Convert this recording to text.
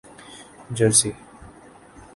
Jersey